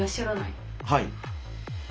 はい。